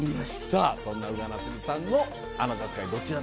さぁそんな宇賀なつみさんのアナザースカイどちらでしょう？